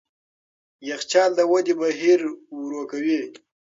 یخچال د ودې بهیر ورو کوي.